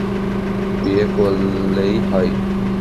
বিয়ে করলেই হয়।